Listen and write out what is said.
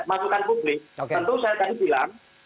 masukan publik tentu saya tadi bilang